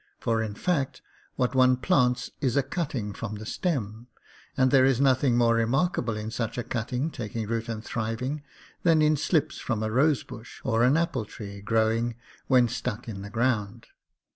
For, in fact, what one plants is a cutting from the stem, and there is nothing more remarkable in such a cutting taking root and thriving than in slips from a rosebush or an apple tree growing when stuck in the ground.